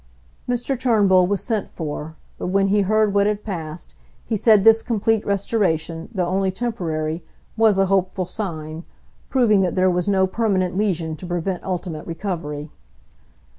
Mr Turnbull was sent for; but when he heard what had passed, he said this complete restoration, though only temporary, was a hopeful sign, proving that there was no permanent lesion to prevent ultimate recovery.